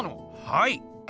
はい。